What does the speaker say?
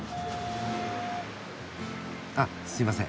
あっすいません。